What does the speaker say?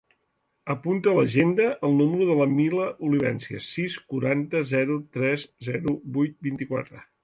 Apunta a l'agenda el número de la Mila Olivencia: sis, quaranta, zero, tres, zero, vuit, vint-i-quatre.